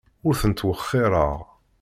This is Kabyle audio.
Ur ten-ttwexxireɣ.